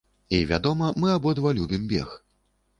І, вядома, мы абодва любім бег.